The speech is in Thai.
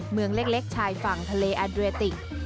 เมืองเล็กชายฝั่งทะเลแอดเรติก